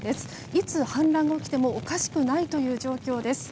いつ氾濫が起きてもおかしくないという状況です。